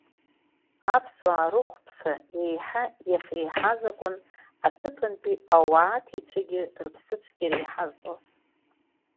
Аԥсуаа рыхәԥса еиҳа иахьеиҳаз акәын аҭыԥантәи ауааҭицәагьы рыԥсыцәгьара еиҳазтәуаз.